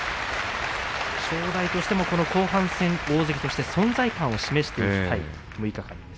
正代としても後半戦、大関として存在感を示していきたい６日間です。